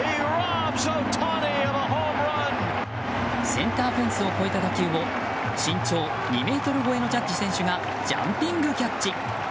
センターフェンスを越えた打球を身長２ｍ超えのジャッジ選手がジャンピングキャッチ。